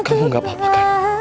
kamu gak apa apa kak